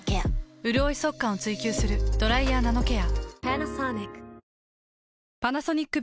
うるおい速乾を追求する「ドライヤーナノケア」。